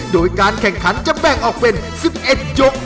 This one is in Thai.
โดยการแข่งขันจะแบ่งออกเป็น๑๑ยก